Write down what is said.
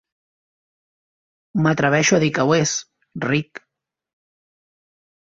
M'atreveixo a dir que ho és, Rick.